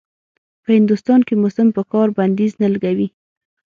په هندوستان کې موسم پر کار بنديز نه لګوي.